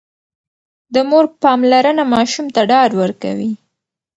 د مور پاملرنه ماشوم ته ډاډ ورکوي.